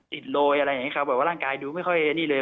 โรยอะไรอย่างนี้ครับแบบว่าร่างกายดูไม่ค่อยนี่เลย